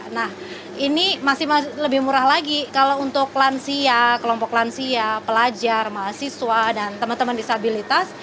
nah ini masih lebih murah lagi kalau untuk lansia kelompok lansia pelajar mahasiswa dan teman teman disabilitas